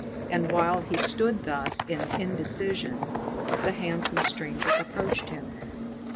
And while he stood thus in indecision, the handsome stranger approached him.